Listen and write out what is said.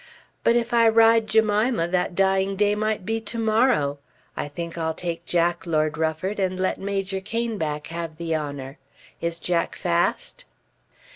"But if I ride Jemima that dying day might be to morrow. I think I'll take Jack, Lord Rufford, and let Major Caneback have the honour. Is Jack fast?"